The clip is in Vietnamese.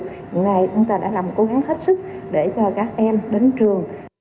những ngày chúng ta đã làm cố gắng hết sức để cho các em đến trường